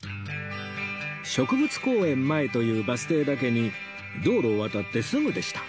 植物公園前というバス停だけに道路を渡ってすぐでした